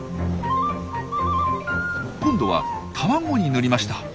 今度は卵に塗りました！